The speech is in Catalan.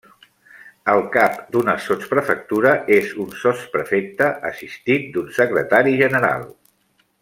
El cap d'una sotsprefectura és un sotsprefecte, assistit d'un secretari general.